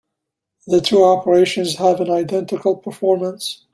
The two operations have an identical performance.